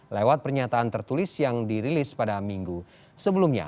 lewat pernyataan tertulis yang dirilis pada minggu sebelumnya